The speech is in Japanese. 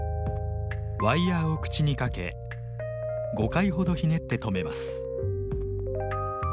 ワイヤーを口に掛け５回ほどひねって留めます。